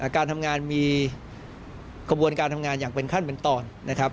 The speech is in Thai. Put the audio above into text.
การทำงานมีกระบวนการทำงานอย่างเป็นขั้นเป็นตอนนะครับ